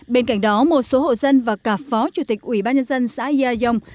bên cạnh đó một số hộ dân và cả phó chủ tịch ủy ban nhân dân xã yai dông